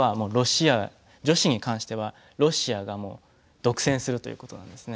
女子に関してはロシアが独占するということなんですね。